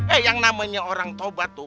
eh yang namanya orang taubat tuh